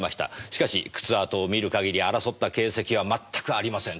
しかし靴跡を見る限り争った形跡はまったくありません。